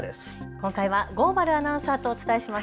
今回は合原アナウンサーとお伝えします。